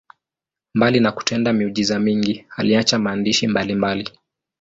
Mbali na kutenda miujiza mingi, aliacha maandishi mbalimbali.